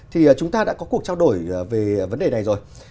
thì chúng ta đã có cuộc trao đổi về vấn đề này rồi